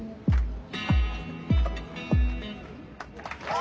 あ！